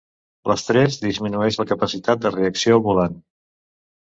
L'estrès disminueix la capacitat de reacció al volant.